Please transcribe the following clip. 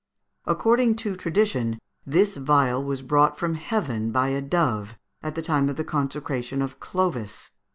According to tradition, this vial was brought from heaven by a dove at the time of the consecration of Clovis.